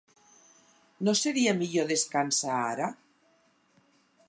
No seria millor descansar, ara?